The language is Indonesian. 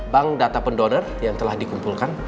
bank data pendonor yang telah dikumpulkan